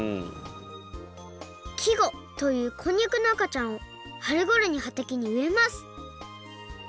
生子というこんにゃくのあかちゃんをはるごろにはたけにうえます。